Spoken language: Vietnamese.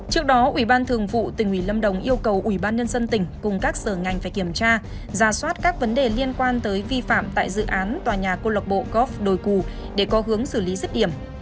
trước đó ủy ban thường vụ tỉnh ủy lâm đồng yêu cầu ủy ban nhân dân tỉnh cùng các sở ngành phải kiểm tra ra soát các vấn đề liên quan tới vi phạm tại dự án tòa nhà cô lộc bộ góp đồi cù để có hướng xử lý dứt điểm